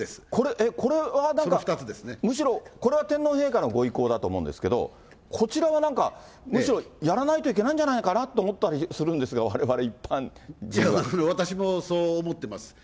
むしろ、これは天皇陛下のご意向だと思うんですけれども、こちらはなんか、むしろやらないといけないんじゃないかなと思ったりするんですが、われわれ一般人私もそう思ってます。